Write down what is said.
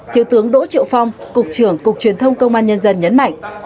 thiếu tướng đỗ triệu phong cục trưởng cục truyền thông công an nhân dân nhấn mạnh